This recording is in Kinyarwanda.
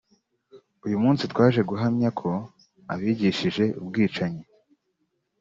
uyu munsi twaje guhamya ko abigishije ubwicanyi